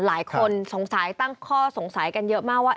หลายคนสงสัยตั้งข้อสงสัยกันเยอะมากว่า